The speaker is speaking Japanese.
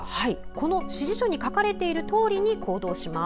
この指示書に書かれているとおりに行動します。